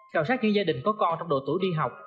khảo sát những gia đình có con trong độ tuổi đi học